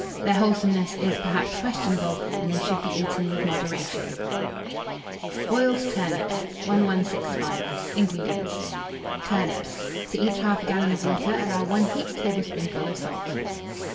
Their wholesomeness is, perhaps, questionable, and they should be eaten with moderation. BOILED TURNIPS. 1165. INGREDIENTS. Turnips; to each 1/2 gallon of water allow 1 heaped tablespoonful of salt.